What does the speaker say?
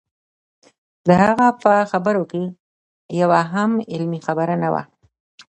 د هغه په خبرو کې یوه هم علمي خبره نه وه.